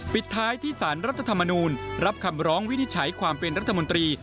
ปิดท้ายที่สารรัฐธรรมนูลรับคำร้องวินิจฉัยความเป็นรัฐมนตรี